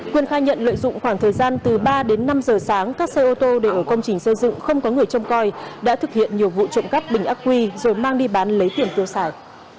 quân khai nhận lợi dụng khoảng thời gian từ ba đến năm giờ sáng các xe ô tô đều ở công trình xây dựng không có người trông coi đã thực hiện nhiều vụ trộm cắp bình ác quy rồi mang đi bán lấy tiền tiêu xài